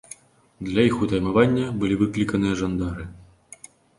Для іх утаймавання былі выкліканыя жандары.